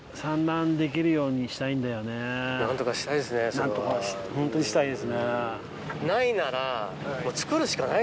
何とかホントにしたいですね。